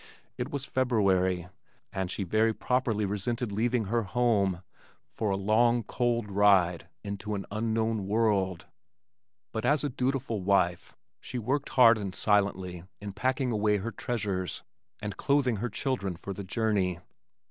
It was February, and she very properly resented leaving her home for a long, cold ride into an unknown world, but as a dutiful wife she worked hard and silently in packing away her treasures, and clothing her children for the journey.